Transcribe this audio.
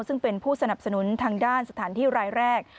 ซึ่งเป็นผู้สนับสนุนทางด้านสถานที่รายแรก